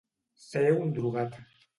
Ser un drogat.